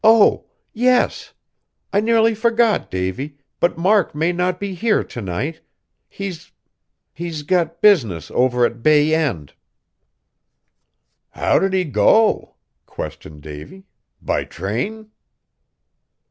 "Oh! yes. I nearly forgot, Davy, but Mark may not be here to night. He's he's got business over at Bay End." "How did he go?" questioned Davy, "by train?"